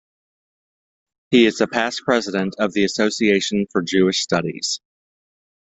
He is a past president of the Association for Jewish Studies.